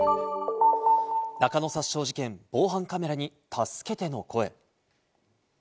中野刺傷事件、防犯カメラに「助けて」の声。